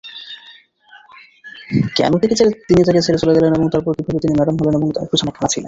কেন তিনি তাকে ছেড়ে চলে গেলেন এবং তারপর কীভাবে তিনি ম্যাডাম হলেন এবং এর পিছনে কারা ছিলেন।